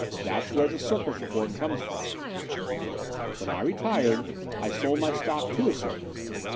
That's where the circus report came from. "When I retired I sold my stock to a circus.